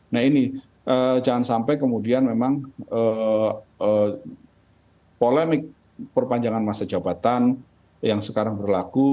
nah ini jangan sampai kemudian memang polemik perpanjangan masa jabatan yang sekarang berlaku